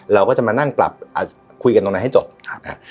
เราก็จะมานั่งปรับคุยกันตรงนั้นให้จบนะครับ